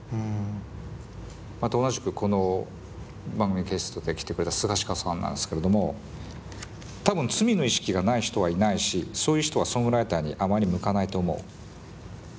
また同じくこの番組のゲストで来てくれたスガシカオさんなんですけれども「多分罪の意識がない人はいないしそういう人はソングライターにあまり向かないと思う」。